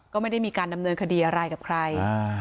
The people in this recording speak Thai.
ก็ไม่ได้มีการดำเนินคดีอะไรกับใคร